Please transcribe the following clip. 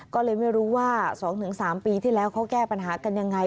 ก็เลยไม่รู้ว่า๒๓ปีที่แล้วเขาแก้ปัญหากันยังไง